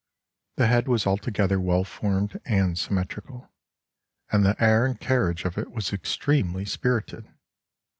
The head was altogether well formed and symmetrical, and the air and carriage of it was extremely spirited.